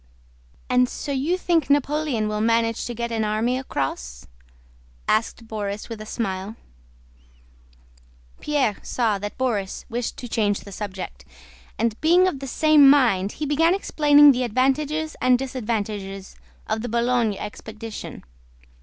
"And so you think Napoleon will manage to get an army across?" asked Borís with a smile. Pierre saw that Borís wished to change the subject, and being of the same mind he began explaining the advantages and disadvantages of the Boulogne expedition.